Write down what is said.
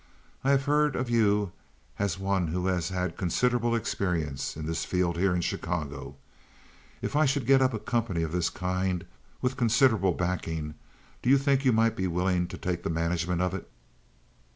"I have heard of you as some one who has had considerable experience in this field here in Chicago. If I should get up a company of this kind, with considerable backing, do you think you might be willing to take the management of it?"